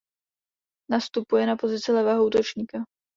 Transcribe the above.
Nastupuje na pozici levého útočníka.